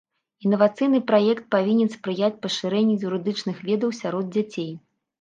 Інавацыйны праект павінен спрыяць пашырэнню юрыдычных ведаў сярод дзяцей.